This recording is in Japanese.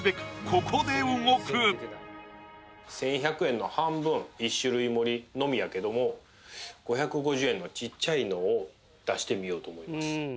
ここで動く１１００円の半分５５０円のちっちゃいのを出してみようと思います